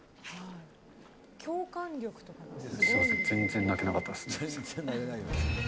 すみません、全然泣けなかったです。